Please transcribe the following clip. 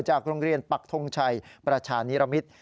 จากโรงเรียนปักทงชัยประชานิรมิตร